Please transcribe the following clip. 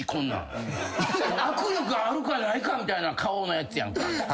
握力あるかないかみたいな顔のやつやんか。